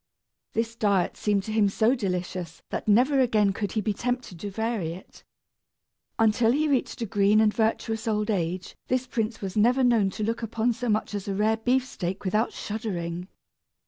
This diet seemed to him so delicious that never again could he be tempted to vary it. Until he reached a green and virtuous old age this prince was never known to look upon so much as a rare beefsteak without shuddering!